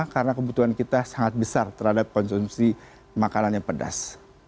karena kebutuhan kita sangat besar terhadap konsumsi makanan yang pedas